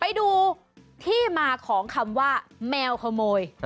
ไปดูที่มาของคำว่าแมวขโมย